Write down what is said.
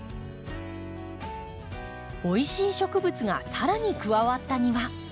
おいしい植物がさらに加わった庭。